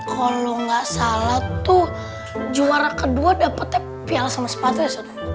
kalau enggak salah tuh juara kedua dapetnya piala sama sepatunya